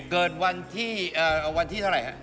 เกิดวันที่เท่าไหร่ฮะ